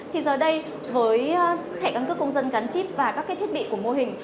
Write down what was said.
thì giờ đây với thẻ căn cước công dân gắn chip và các cái thiết bị của mô hình